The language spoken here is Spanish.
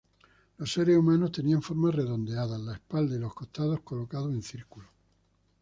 Los seres humanos tenían formas redondeadas: la espalda y los costados colocados en círculo.